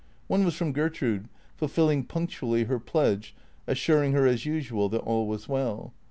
One was from Gertrude, fulfilling punctually her pledge, assur ing her as usual that all was well.